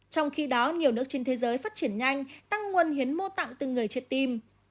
trong khi đó nhiều nước trên thế giới phát triển nhanh tăng nguồn hiến mô tạng từng người chết tim